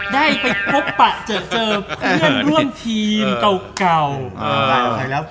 ได้ไปเจอเพื่อนร่วมทีมเก่า